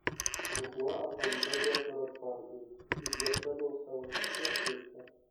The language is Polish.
"Mgła atoli rzedła coraz bardziej, i zwierciadło stało się znów czyste."